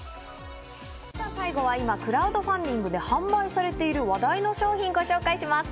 最後は今、クラウドファンディングで販売されている話題の商品、ご紹介します。